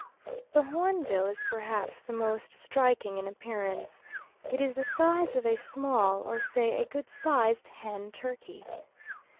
The hornbill is perhaps the most striking in appearance. It is the size of a small, or say a good sized hen turkey.